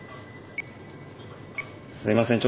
すいません